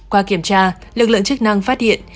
qua kiểm tra lực lượng chức năng phát hiện